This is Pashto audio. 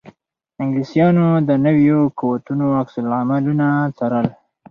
انګلیسیانو د نویو قوتونو عکس العملونه څارل.